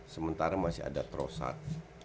sementara masih ada trossard